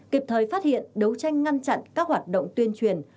kịp thời phát hiện đấu tranh ngăn chặn các hoạt động tuyên truyền